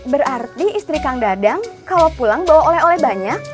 berarti istri kang dadang kalau pulang bawa oleh oleh banyak